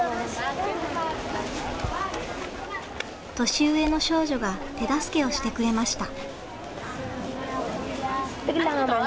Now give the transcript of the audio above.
年上の少女が手助けをしてくれました。